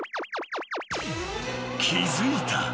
［気付いた］